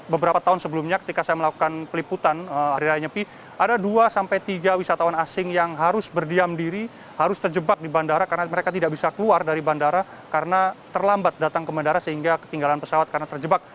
beberapa tahun sebelumnya ketika saya melakukan peliputan hari raya nyepi ada dua sampai tiga wisatawan asing yang harus berdiam diri harus terjebak di bandara karena mereka tidak bisa keluar dari bandara karena terlambat datang ke bandara sehingga ketinggalan pesawat karena terjebak